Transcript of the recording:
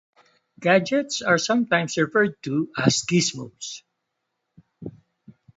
Gadgets are sometimes referred to as "gizmos".